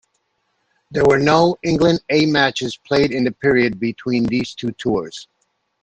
There were no England A matches played in the period between these two tours.